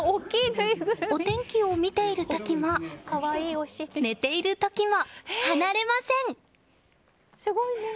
お天気を見ている時も寝ている時も離れません。